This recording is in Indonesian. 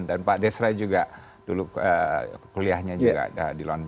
dan pak desra juga dulu kuliahnya juga di london